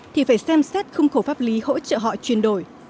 thì phải xem xét khung khổ pháp lý hỗ trợ họ chuyển đổi